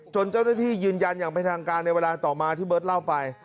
เจ้าหน้าที่ยืนยันอย่างเป็นทางการในเวลาต่อมาที่เบิร์ตเล่าไป